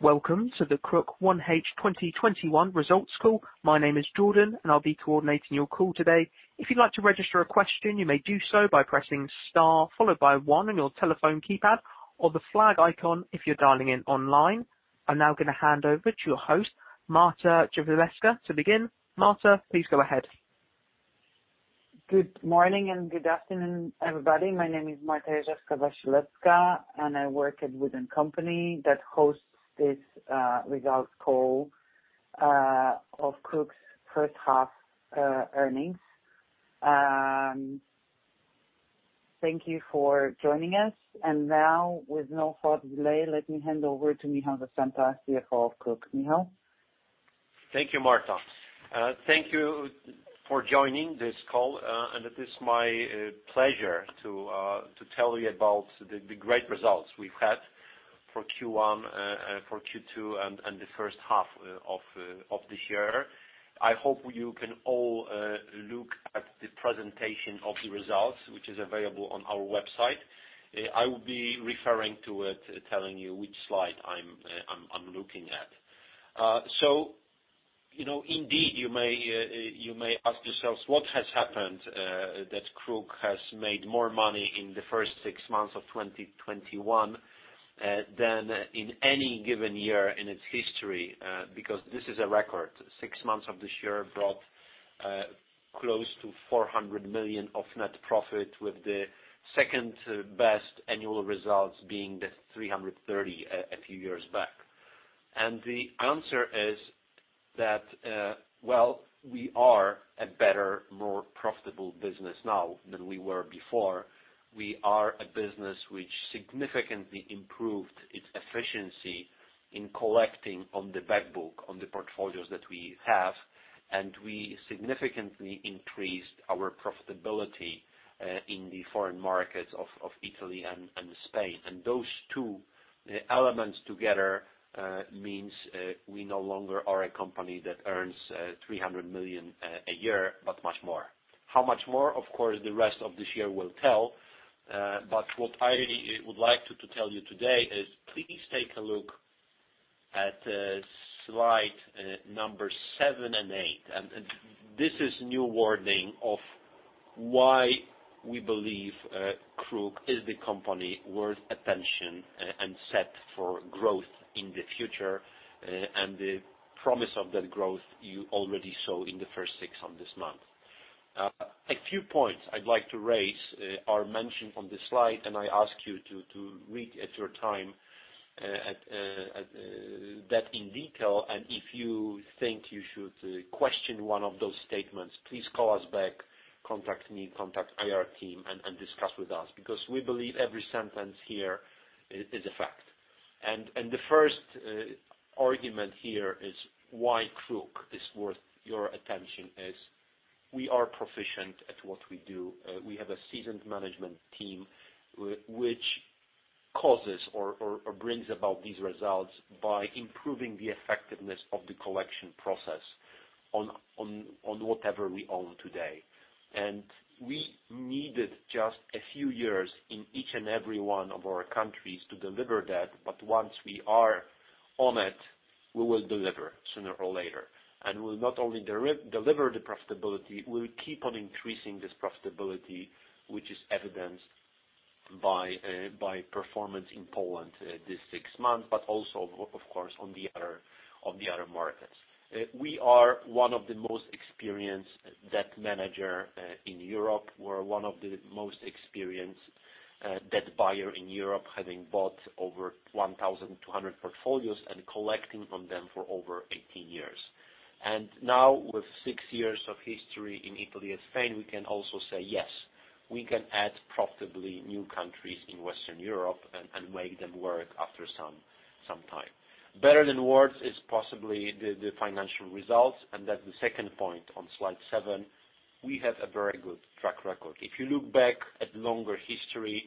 Welcome to the KRUK 1H 2021 results call. My name is Jordan, and I'll be coordinating your call today. I'm now going to hand over to your host, Marta Drzewiecka, to begin. Marta, please go ahead. Good morning and good afternoon, everybody. My name is Marta Drzewiecka, and I work at Wood & Company that hosts this results call of KRUK's first half earnings. Thank you for joining us. Now, with no further delay, let me hand over to Michał Zasępa, CFO of KRUK. Michał? Thank you, Marta. Thank you for joining this call. It is my pleasure to tell you about the great results we've had for Q1, for Q2 and the first half of the year. I hope you can all look at the presentation of the results, which is available on our website. I will be referring to it, telling you which slide I'm looking at. Indeed, you may ask yourselves what has happened that KRUK has made more money in the first six months of 2021 than in any given year in its history because this is a record. Six months of this year brought close to 400 million of net profit, with the second-best annual results being the 330 a few years back. The answer is that, well, we are a better, more profitable business now than we were before. We are a business which significantly improved its efficiency in collecting on the back book, on the portfolios that we have, and we significantly increased our profitability in the foreign markets of Italy and Spain. Those two elements together means we no longer are a company that earns 300 million a year, but much more. How much more? Of course, the rest of this year will tell. What I really would like to tell you today is please take a look at slide number seven and eight. This is new wording of why we believe KRUK is the company worth attention and set for growth in the future, and the promise of that growth you already saw in the first six of this month. A few points I'd like to raise are mentioned on this slide. I ask you to read at your time that in detail. If you think you should question one of those statements, please call us back, contact me, contact our team, and discuss with us, because we believe every sentence here is a fact. The first argument here is why KRUK is worth your attention is we are proficient at what we do. We have a seasoned management team, which causes or brings about these results by improving the effectiveness of the collection process on whatever we own today. We needed just a few years in each and every one of our countries to deliver that. Once we are on it, we will deliver sooner or later. We'll not only deliver the profitability, we will keep on increasing this profitability, which is evidenced by performance in Poland this six months, but also, of course, on the other markets. We are one of the most experienced debt manager in Europe. We're one of the most experienced debt buyer in Europe, having bought over 1,200 portfolios and collecting from them for over 18 years. Now, with six years of history in Italy and Spain, we can also say, yes, we can add profitably new countries in Western Europe and make them work after some time. Better than words is possibly the financial results, that's the second point on slide 7. We have a very good track record. If you look back at longer history,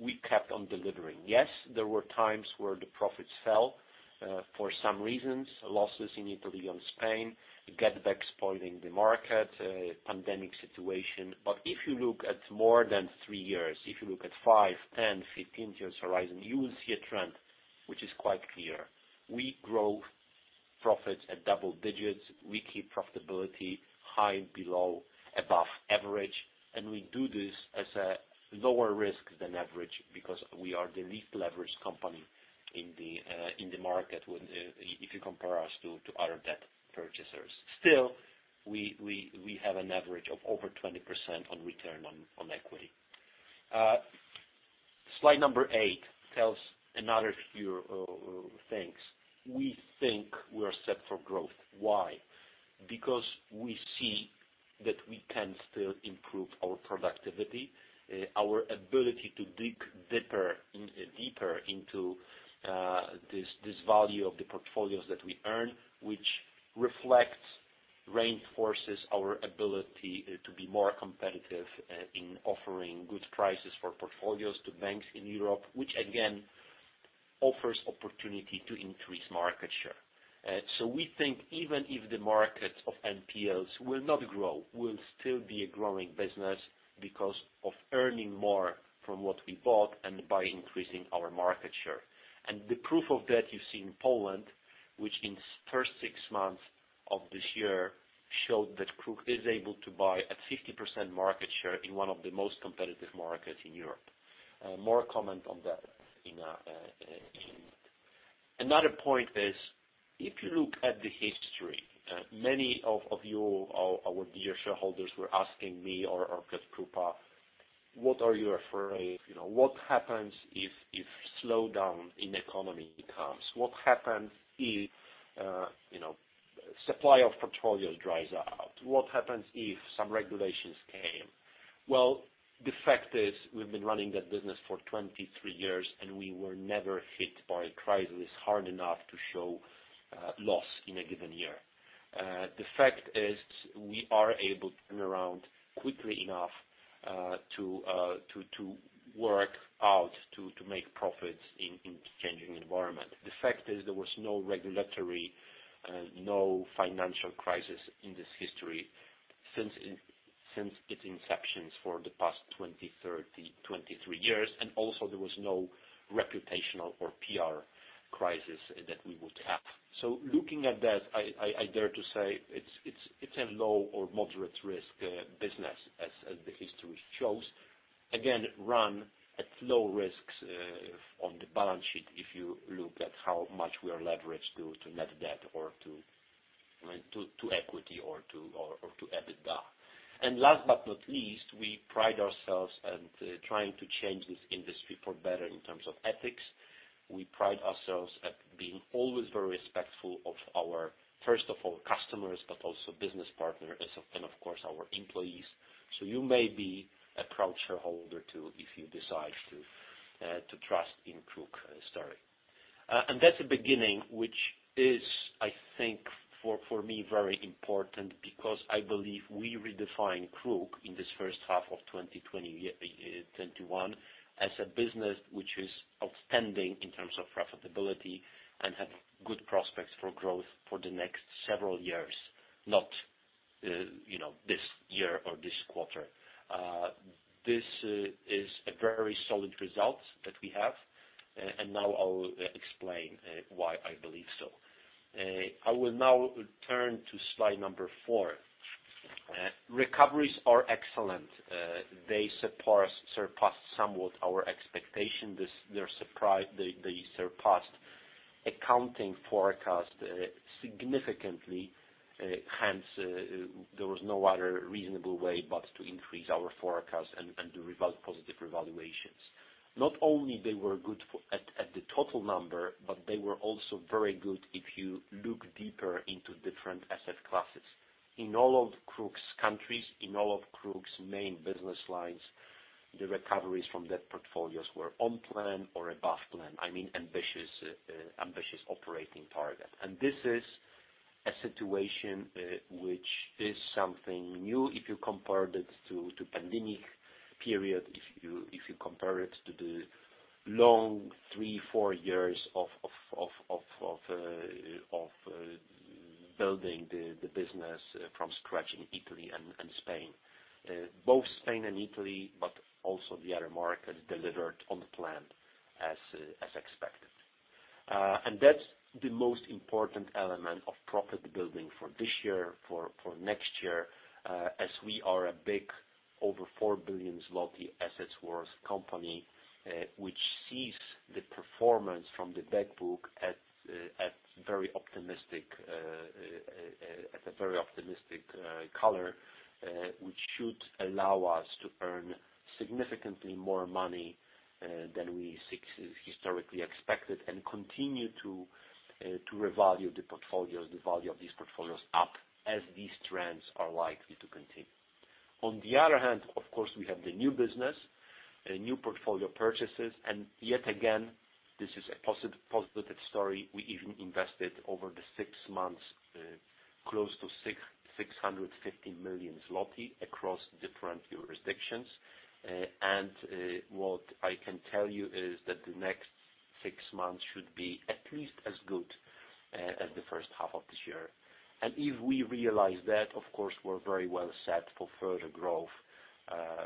we kept on delivering. Yes, there were times where the profits fell for some reasons, losses in Italy and Spain, GetBack spoiling the market, pandemic situation. If you look at more than three years, if you look at five, 10, 15 years horizon, you will see a trend which is quite clear. We grow profits at double digits. We keep profitability high, below, above average. We do this as a lower risk than average because we are the least leveraged company in the market if you compare us to other debt purchasers. Still, we have an average of over 20% on return on equity. Slide number eight tells another few things. We think we are set for growth. Why? Because we see that we can still improve our productivity, our ability to dig deeper into this value of the portfolios that we earn, which reflects, reinforces our ability to be more competitive in offering good prices for portfolios to banks in Europe, which again offers opportunity to increase market share. We think even if the market of NPLs will not grow, we'll still be a growing business because of earning more from what we bought and by increasing our market share. The proof of that, you see in Poland, which in first six months of this year showed that KRUK is able to buy at 50% market share in one of the most competitive markets in Europe. More comment on that in a bit. Another point is, if you look at the history, many of you, our dear shareholders, were asking me or Piotr Krupa, "What are you afraid? What happens if slowdown in economy comes? What happens if supply of portfolios dries out? What happens if some regulations came?" Well, the fact is, we've been running that business for 23 years, and we were never hit by a crisis hard enough to show loss in a given year. The fact is, we are able to turn around quickly enough to work out, to make profits in changing environment. The fact is, there was no regulatory and no financial crisis in this history since its inceptions for the past 20, 30, 23 years. Also, there was no reputational or PR crisis that we would have. Looking at that, I dare to say it's a low or moderate risk business as the history shows. Again, run at low risks on the balance sheet if you look at how much we are leveraged due to net debt or to equity or to EBITDA. Last but not least, we pride ourselves at trying to change this industry for better in terms of ethics. We pride ourselves at being always very respectful of our, first of all, customers, but also business partners and of course our employees. You may be a proud shareholder too, if you decide to trust in KRUK story. That's the beginning, which is, I think, for me, very important because I believe we redefined KRUK in this first half of 2021 as a business which is outstanding in terms of profitability and have good prospects for growth for the next several years, not this year or this quarter. This is a very solid result that we have. Now I will explain why I believe so. I will now turn to slide number four. Recoveries are excellent. They surpassed somewhat our expectation. They surpassed accounting forecast significantly, hence, there was no other reasonable way but to increase our forecast and do positive revaluations. Not only they were good at the total number, but they were also very good if you look deeper into different asset classes. In all of KRUK's countries, in all of KRUK's main business lines, the recoveries from debt portfolios were on plan or above plan. I mean, ambitious operating target. This is a situation which is something new if you compare it to pandemic period, if you compare it to the long three, four years of building the business from scratch in Italy and Spain. Both Spain and Italy, but also the other markets delivered on plan as expected. That's the most important element of profit building for this year, for next year, as we are a big, over 4 billion zloty assets worth company, which sees the performance from the debt book at a very optimistic color, which should allow us to earn significantly more money than we historically expected and continue to revalue the value of these portfolios up as these trends are likely to continue. On the other hand, of course, we have the new business, new portfolio purchases, and yet again, this is a positive story. We even invested over the six months, close to 650 million zloty across different jurisdictions. What I can tell you is that the next six months should be at least as good as the first half of this year. If we realize that, of course, we're very well set for further growth,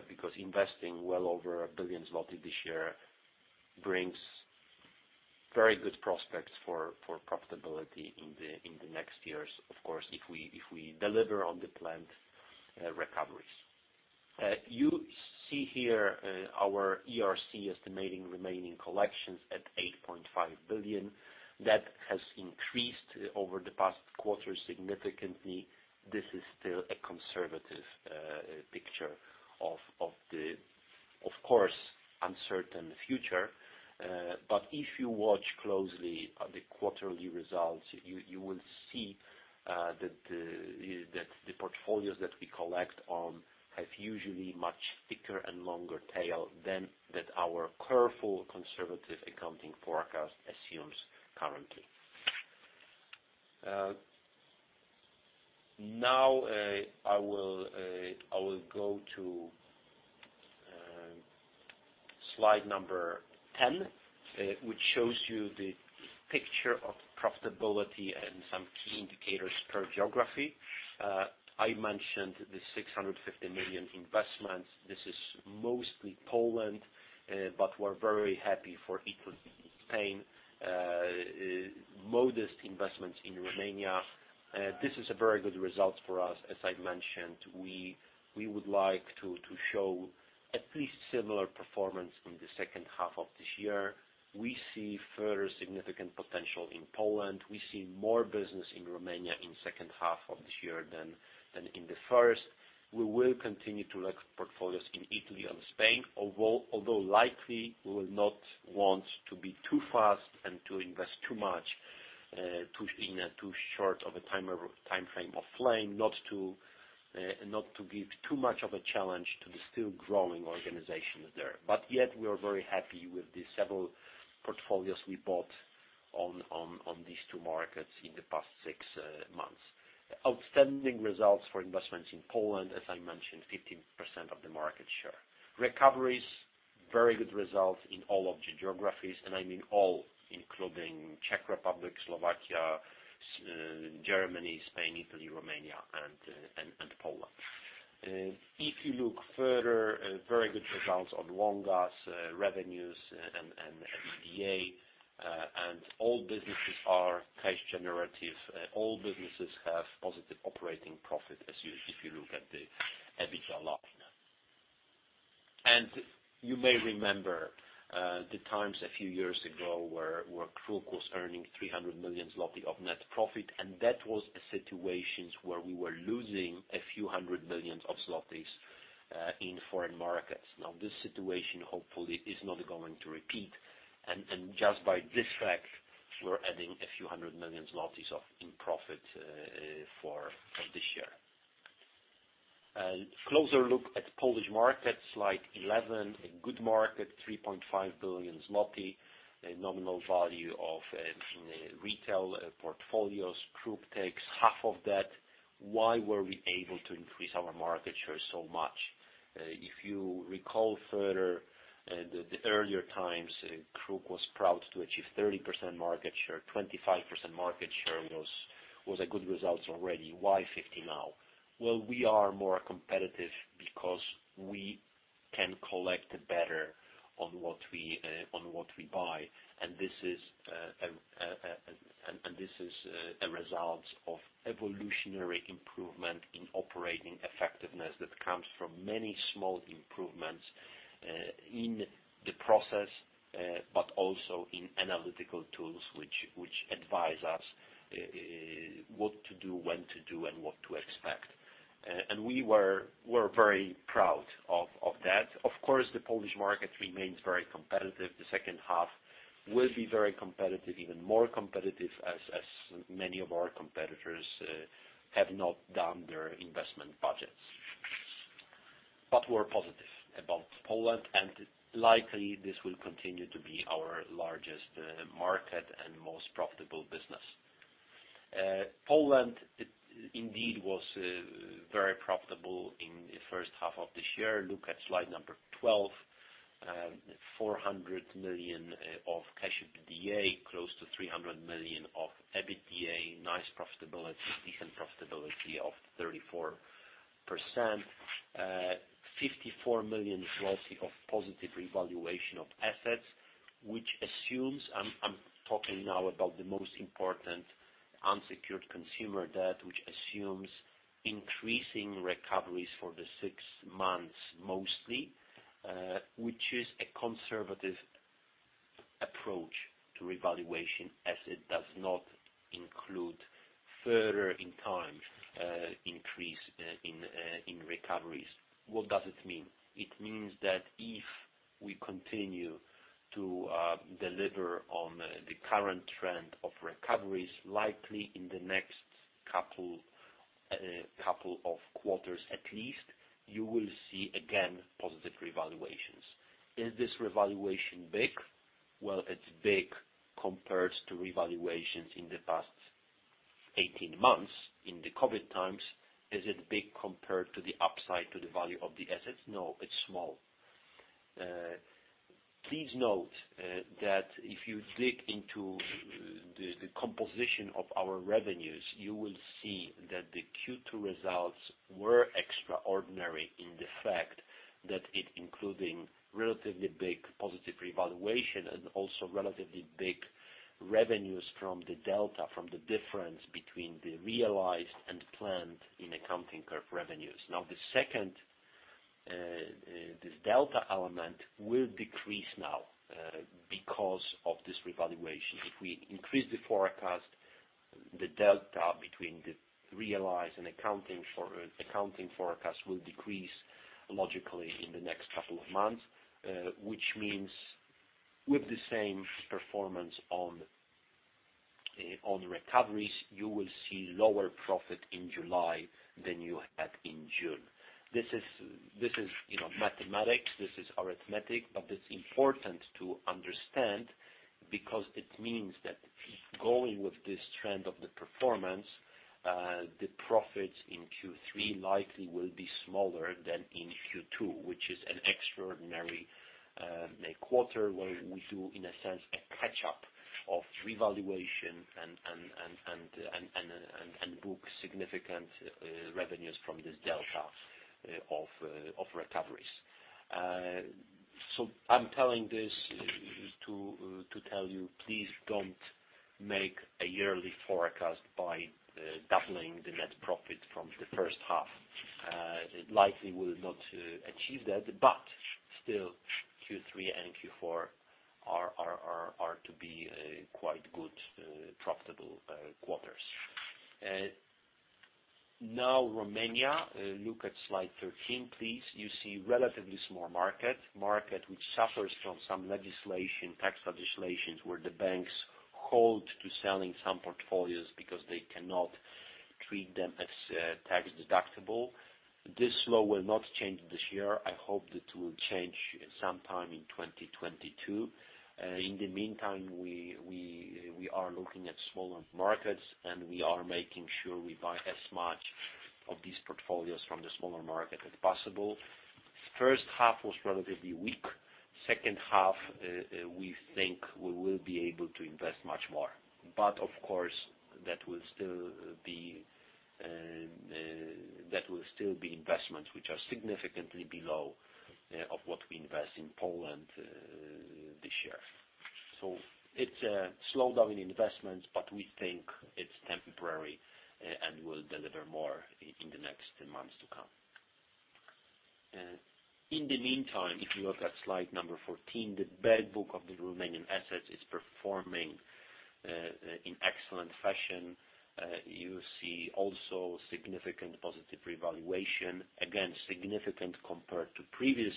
because investing well over 1 billion zloty this year brings very good prospects for profitability in the next years, of course, if we deliver on the planned recoveries. You see here our ERC estimating remaining collections at 8.5 billion. That has increased over the past quarter significantly. This is still a conservative picture of the, of course, uncertain future. If you watch closely the quarterly results, you will see that the portfolios that we collect on have usually much thicker and longer tail than that our careful conservative accounting forecast assumes currently. Now I will go to slide number 10, which shows you the picture of profitability and some key indicators per geography. I mentioned the 650 million investments. This is mostly Poland, but we're very happy for Italy, Spain, modest investments in Romania. This is a very good result for us. As I mentioned, we would like to show at least similar performance in the second half of this year. We see further significant potential in Poland. We see more business in Romania in the second half of this year than in the first. We will continue to look at portfolios in Italy and Spain. Although likely we will not want to be too fast and to invest too much, in a too short of a timeframe of PLN, not to give too much of a challenge to the still growing organizations there. Yet we are very happy with the several portfolios we bought on these two markets in the past six months. Outstanding results for investments in Poland, as I mentioned, 15% of the market share. Recoveries, very good results in all of the geographies, and I mean all including Czech Republic, Slovakia, Germany, Spain, Italy, Romania, and Poland. If you look further, very good results on Wonga's revenues and EBITDA, and all businesses are cash generative. All businesses have positive operating profit as usual, if you look at the EBITDA line. You may remember, the times a few years ago where KRUK was earning 300 million zloty of net profit, that was a situation where we were losing PLN few hundred million, in foreign markets. Now this situation hopefully is not going to repeat. Just by this fact, we're adding PLN few hundred million in profit for this year. A closer look at the Polish market, slide 11, a good market, 3.5 billion zloty nominal value of retail portfolios. KRUK takes half of that. Why were we able to increase our market share so much? If you recall further, the earlier times, KRUK was proud to achieve 30% market share. 25% market share was a good result already. Why 50 now? Well, we are more competitive because we can collect better on what we buy. This is a result of evolutionary improvement in operating effectiveness that comes from many small improvements, in the process, but also in analytical tools, which advise us, what to do, when to do, and what to expect. We're very proud of that. Of course, the Polish market remains very competitive. The second half will be very competitive, even more competitive as many of our competitors have not done their investment budgets. We're positive about Poland, and likely this will continue to be our largest market and most profitable business. Poland indeed was very profitable in the first half of this year. Look at slide number 12. 400 million of cash EBITDA, close to 300 million of EBITDA. Nice profitability, decent profitability of 34%. 54 million of positive revaluation of assets, which assumes, I'm talking now about the most important unsecured consumer debt, which assumes increasing recoveries for the six months mostly, which is a conservative approach to revaluation as it does not include further in time, increase in recoveries. What does it mean? It means that if we continue to deliver on the current trend of recoveries, likely in the next couple of quarters at least, you will see again positive revaluations. Is this revaluation big? Well, it's big compared to revaluations in the past 18 months in the COVID times. Is it big compared to the upside to the value of the assets? No, it's small. Please note that if you dig into the composition of our revenues, you will see that the Q2 results were extraordinary in the fact that it including relatively big positive revaluation and also relatively big revenues from the delta, from the difference between the realized and planned in accounting curve revenues. Now, this delta element will decrease now, because of this revaluation. If we increase the forecast, the delta between the realized and accounting forecast will decrease logically in the next couple of months. Which means with the same performance on recoveries, you will see lower profit in July than you had in June. This is mathematics. This is arithmetic, but it's important to understand. Because it means that going with this trend of the performance, the profits in Q3 likely will be smaller than in Q2, which is an extraordinary quarter, where we do, in a sense, a catch-up of revaluation and book significant revenues from this delta of recoveries. I'm telling this to tell you, please don't make a yearly forecast by doubling the net profit from the first half. It likely will not achieve that. Still, Q3 and Q4 are to be quite good profitable quarters. Romania, look at slide 13, please. You see relatively small market. Market which suffers from some legislation, tax legislations, where the banks hold to selling some portfolios because they cannot treat them as tax deductible. This law will not change this year. I hope it will change sometime in 2022. In the meantime, we are looking at smaller markets, and we are making sure we buy as much of these portfolios from the smaller market as possible. First half was relatively weak. Second half, we think we will be able to invest much more. Of course, that will still be investments which are significantly below of what we invest in Poland this year. It's a slowdown in investments, but we think it's temporary and will deliver more in the next months to come. In the meantime, if you look at slide 14, the back book of the Romanian assets is performing in excellent fashion. You see also significant positive revaluation. Again, significant compared to previous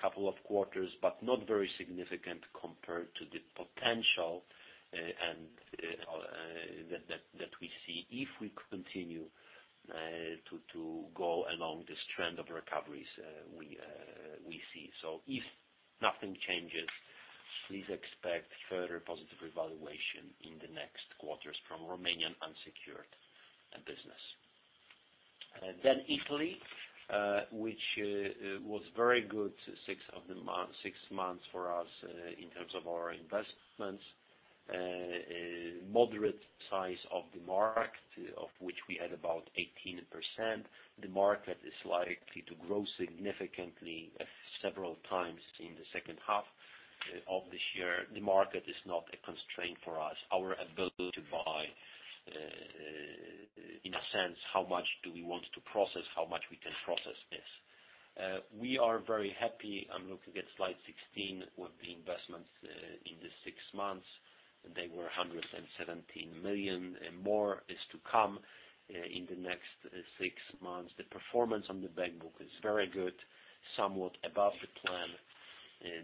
couple of quarters, but not very significant compared to the potential that we see if we continue to go along this trend of recoveries we see. If nothing changes, please expect further positive revaluation in the next quarters from Romanian unsecured business. Italy which was very good six months for us in terms of our investments. Moderate size of the market, of which we had about 18%. The market is likely to grow significantly several times in the second half of this year. The market is not a constraint for us. Our ability to buy, in a sense, how much do we want to process, how much we can process is. We are very happy, and look at slide 16, with the investments in the six months. They were 117 million, and more is to come in the next six months. The performance on the back book is very good, somewhat above the plan,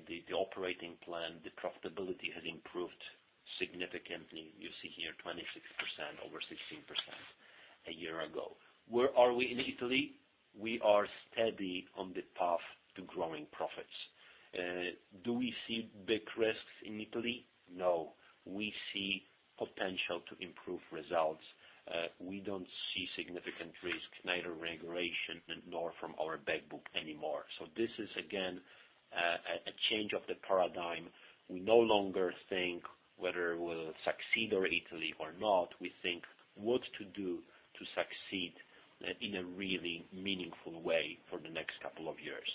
the operating plan. The profitability has improved significantly. You see here 26%, over 16% a year ago. Where are we in Italy? We are steady on the path to growing profits. Do we see big risks in Italy? No. We see potential to improve results. We don't see significant risk, neither regulation nor from our back book anymore. This is again, a change of the paradigm. We no longer think whether we'll succeed in Italy or not. We think what to do to succeed in a really meaningful way for the next couple of years.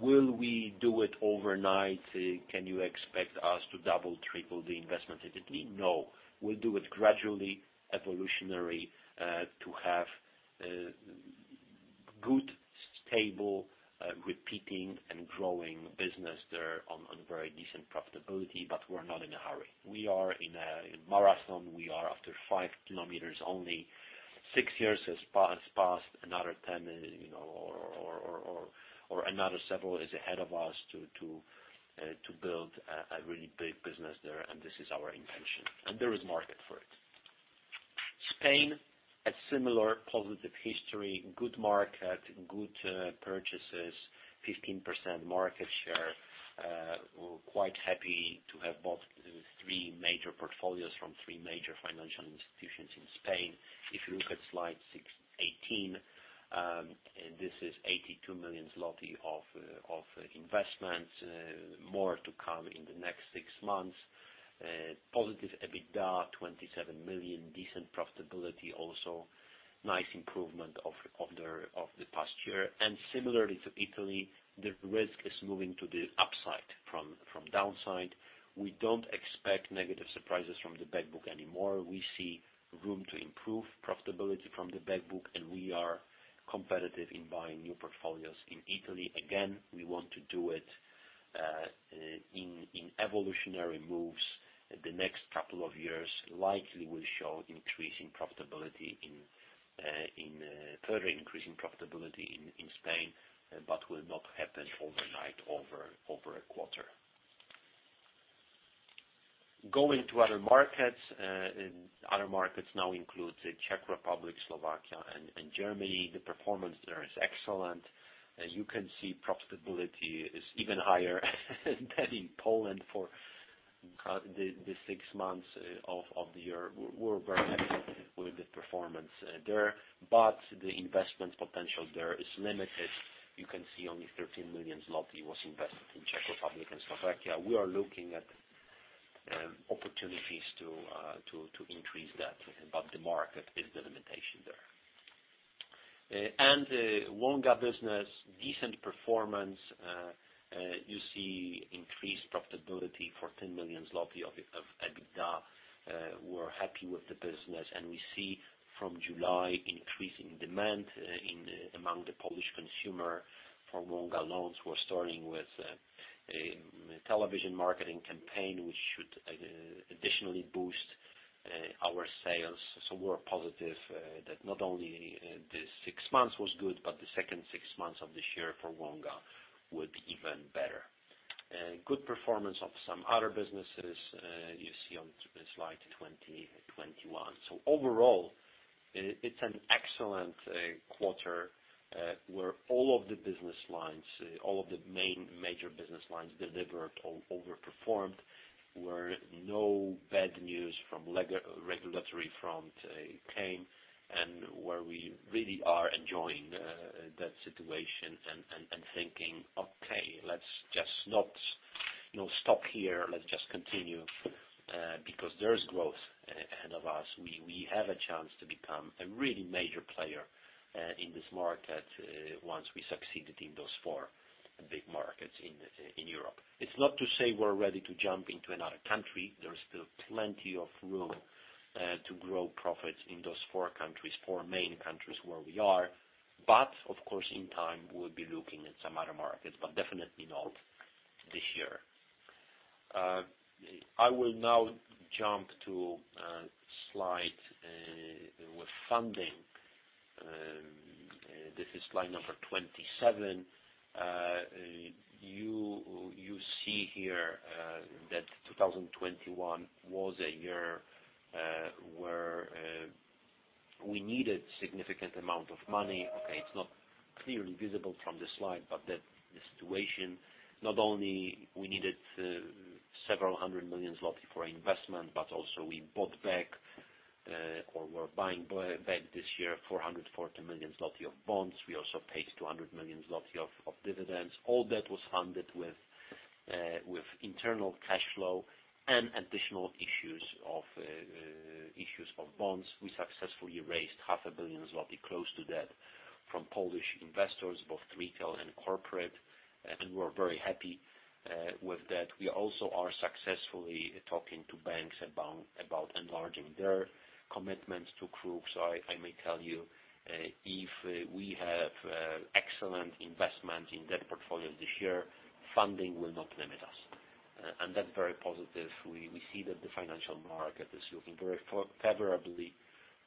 Will we do it overnight? Can you expect us to double, triple the investment in Italy? No. We'll do it gradually, evolutionary, to have good, stable, repeating and growing business there on very decent profitability, but we're not in a hurry. We are in a marathon. We are after 5 kilometers only. 6 years has passed. Another 10 or another several is ahead of us to build a really big business there. This is our intention, and there is market for it. Spain, a similar positive history, good market, good purchases, 15% market share. We're quite happy to have bought three major portfolios from three major financial institutions in Spain. If you look at slide 18, this is 82 million zloty of investments. More to come in the next six months. Positive EBITDA, 27 million. Decent profitability, also. Nice improvement of the past year. Similarly to Italy, the risk is moving to the upside from downside. We don't expect negative surprises from the back book anymore. We see room to improve profitability from the back book, and we are competitive in buying new portfolios in Italy. Again, we want to do it in evolutionary moves. The next couple of years likely will show further increase in profitability in Spain, will not happen overnight over a quarter. Going to other markets. Other markets now includes the Czech Republic, Slovakia, and Germany. The performance there is excellent. You can see profitability is even higher than in Poland for the six months of the year. We were very happy with the performance there, the investment potential there is limited. You can see only 13 million zloty was invested in Czech Republic and Slovakia. We are looking at opportunities to increase that, the market is the limitation there. The Wonga business, decent performance. You see increased profitability for 10 million zloty of EBITDA. We're happy with the business. We see from July increasing demand among the Polish consumer for Wonga loans. We're starting with a television marketing campaign, which should additionally boost our sales. We're positive that not only the six months was good, but the second 6 months of this year for Wonga will be even better. Good performance of some other businesses, you see on slide 20, 21. Overall, it's an excellent quarter, where all of the business lines, all of the main major business lines delivered or overperformed. Where no bad news from regulatory front came, and where we really are enjoying that situation and thinking, "Okay, let's just not stop here." Let's just continue because there's growth ahead of us. We have a chance to become a really major player in this market once we succeeded in those 4 big markets in Europe. It's not to say we're ready to jump into another country. There's still plenty of room to grow profits in those four countries, four main countries where we are. Of course, in time, we'll be looking at some other markets. Definitely not this year. I will now jump to a slide with funding. This is slide number 27. You see here that 2021 was a year where we needed significant amount of money. Okay, it's not clearly visible from the slide, but the situation, not only we needed several hundred million PLN for investment, but also we bought back, or we're buying back this year, 440 million zloty of bonds. We also paid 200 million zloty of dividends. All that was funded with internal cash flow and additional issues of bonds. We successfully raised half a billion PLN, close to that, from Polish investors, both retail and corporate. We're very happy with that. We also are successfully talking to banks about enlarging their commitments to groups. I may tell you, if we have excellent investment in that portfolio this year, funding will not limit us. That's very positive. We see that the financial market is looking very favorably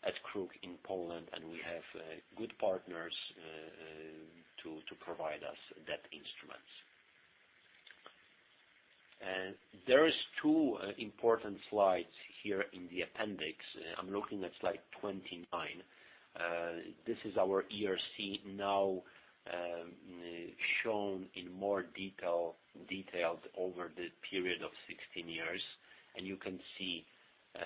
at KRUK in Poland, and we have good partners to provide us debt instruments. There is two important slides here in the appendix. I'm looking at slide 29. This is our ERC now shown in more detailed over the period of 16 years. You can see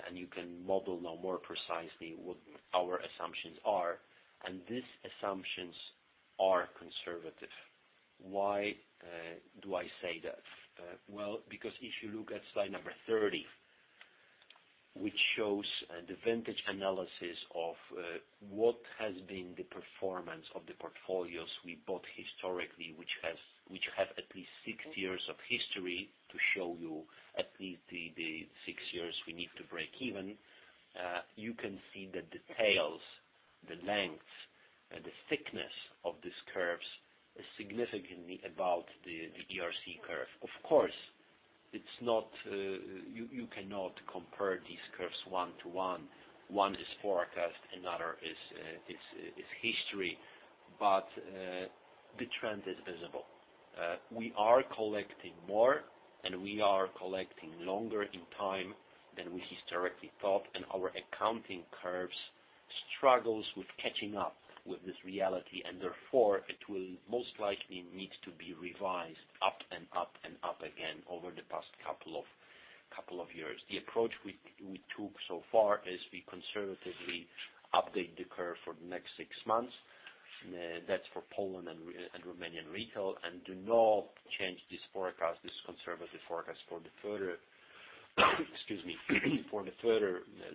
and you can model now more precisely what our assumptions are. These assumptions are conservative. Why do I say that? Well, because if you look at slide number 30, which shows the vintage analysis of what has been the performance of the portfolios we bought historically, which have at least six years of history to show you at least the six years we need to break even. You can see the details, the lengths, and the thickness of these curves is significantly above the ERC curve. Of course, you cannot compare these curves one to one. One is forecast, another is history. The trend is visible. We are collecting more, and we are collecting longer in time than we historically thought, and our accounting curves struggles with catching up with this reality, and therefore, it will most likely need to be revised up and up and up again over the past couple of years. The approach we took so far is we conservatively update the curve for the next six months. That's for Poland and Romanian retail. Do not change this forecast, this conservative forecast for the further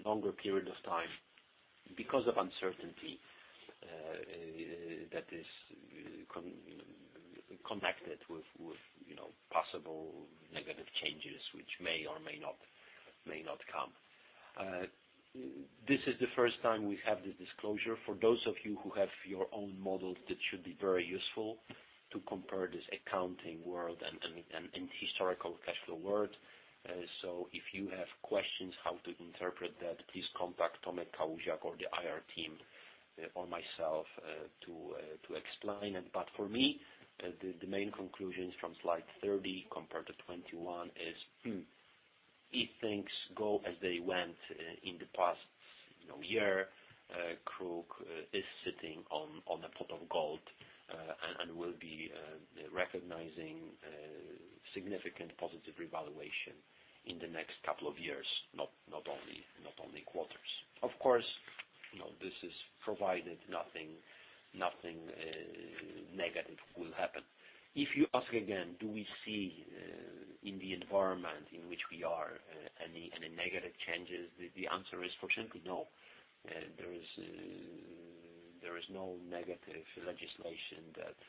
longer period of time because of uncertainty that is connected with possible negative changes which may or may not come. This is the first time we have this disclosure. For those of you who have your own models, that should be very useful to compare this accounting world and historical cash flow world. If you have questions how to interpret that, please contact Tomasz Kałuziak or the IR team or myself to explain. For me, the main conclusions from slide 30 compared to 21 is if things go as they went in the past. Here KRUK is sitting on a pot of gold and will be recognizing significant positive revaluation in the next couple of years, not only quarters. Of course, this is provided nothing negative will happen. If you ask again, do we see in the environment in which we are any negative changes, the answer is fortunately no. There is no negative legislation that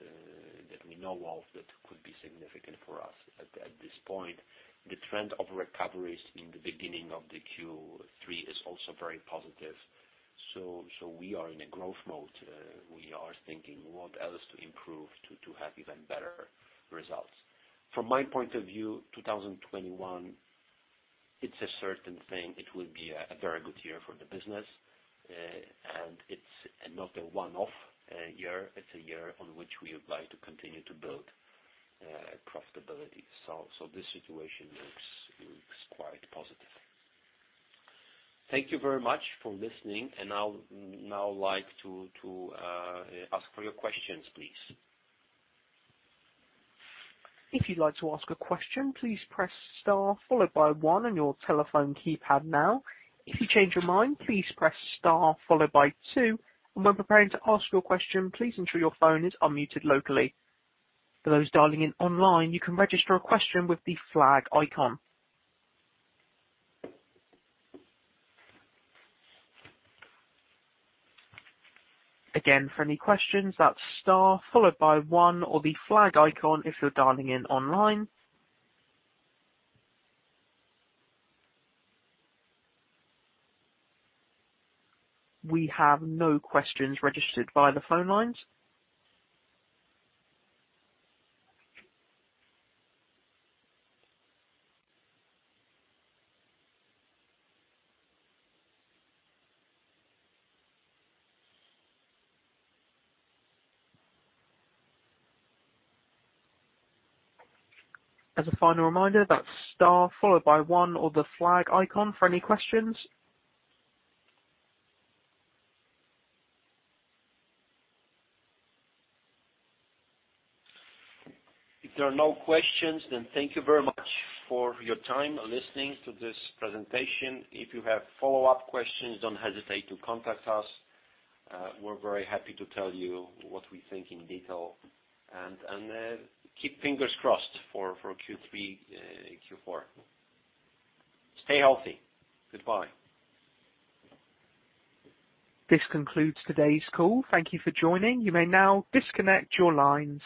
we know of that could be significant for us at this point. The trend of recoveries in the beginning of the Q3 is also very positive. We are in a growth mode. We are thinking what else to improve to have even better results. From my point of view, 2021, it's a certain thing, it will be a very good year for the business. It's not a one-off year. It's a year on which we would like to continue to build profitability. This situation looks quite positive. Thank you very much for listening. I would now like to ask for your questions, please. If you'd like to ask a question, please press star followed by one on your telephone keypad now. If you change your mind, please press star followed by two, and when preparing to ask your question, please ensure your phone is unmuted locally. For those dialing in online, you can register a question with the flag icon. Again, for any questions, that's star followed by one or the flag icon if you're dialing in online. We have no questions registered via the phone lines. As a final reminder, that's star followed by 1 or the flag icon for any questions. If there are no questions, thank you very much for your time listening to this presentation. If you have follow-up questions, don't hesitate to contact us. We're very happy to tell you what we think in detail and keep fingers crossed for Q3, Q4. Stay healthy. Goodbye. This concludes today's call. Thank you for joining. You may now disconnect your lines.